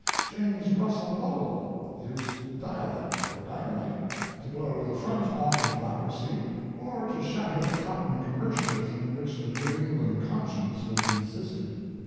James Russell Lowell used dialect for dynamite to blow the front off hypocrisy or to shatter the cotton commercialism in which the New England conscience was encysted.